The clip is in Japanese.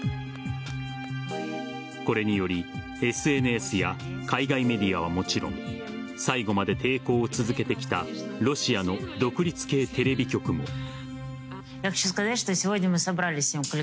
これによりＳＮＳや海外メディアはもちろん最後まで抵抗を続けてきたロシアの独立系テレビ局も。